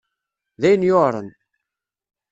D ayen yuɛṛen.